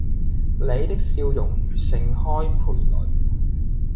你的笑容如盛開蓓蕾